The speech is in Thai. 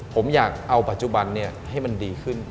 ผมอยากเอาปัจจุบันให้มันดีขึ้น